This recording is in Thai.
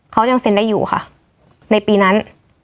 เขายังเซ็นได้อยู่ค่ะในปีนั้น